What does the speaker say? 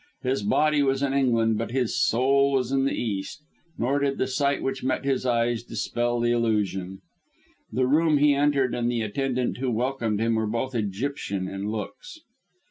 His body was in England, but his soul was in the East: nor did the sight which met his eyes dispel the illusion. The room he entered and the attendant who welcomed him were both Egyptian in looks.